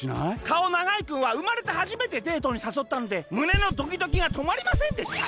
かおながいくんはうまれてはじめてデートにさそったのでむねのドキドキがとまりませんでした」。